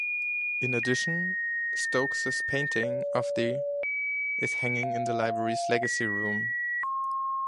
In addition, Stokes's painting of the is hanging in the library's Legacy Room.